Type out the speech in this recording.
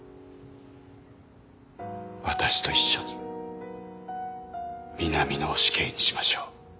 私と一緒に南野を死刑にしましょう。